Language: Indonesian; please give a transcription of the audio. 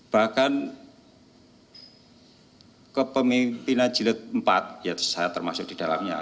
bahkan ke pemimpinan jilid empat yaitu saya termasuk di dalamnya